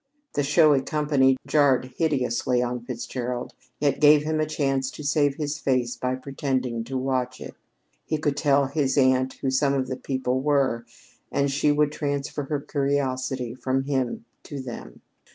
The showy company jarred hideously on Fitzgerald, yet gave him a chance to save his face by pretending to watch it. He could tell his aunt who some of the people were, and she would transfer her curiosity from him to them.